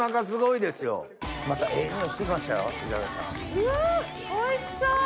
うわおいしそう！